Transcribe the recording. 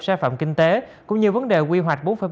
sai phạm kinh tế cũng như vấn đề quy hoạch